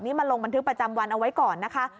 นี่มาลงบันทึกประจำวันเอาไว้ก่อนนะคะ